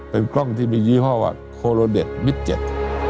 เป็นกล้องที่มียี่ห้อว่าโคโลเดชมิดเจ็ด